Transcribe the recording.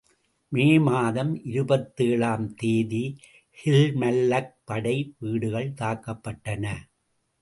மே மாதம் இருபத்தேழு ஆம் தேதி கில்மல்லக் படை வீடுகள் தாக்கப்பட்டன.